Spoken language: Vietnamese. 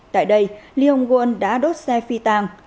tại đây lee hong won đã đốt xe phi tàng